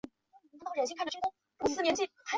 伞花寄生藤为檀香科寄生藤属下的一个种。